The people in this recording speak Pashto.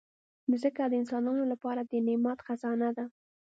مځکه د انسانانو لپاره د نعمت خزانه ده.